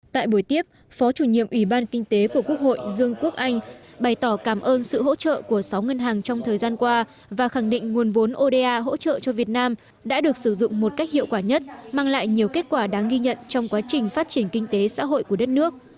tại buổi tiếp phó chủ nhiệm ủy ban kinh tế của quốc hội dương quốc anh bày tỏ cảm ơn sự hỗ trợ của sáu ngân hàng trong thời gian qua và khẳng định nguồn vốn oda hỗ trợ cho việt nam đã được sử dụng một cách hiệu quả nhất mang lại nhiều kết quả đáng ghi nhận trong quá trình phát triển kinh tế xã hội của đất nước